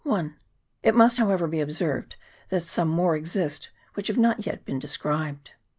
It must, however, be observed, that some more exist, which have not yet been described.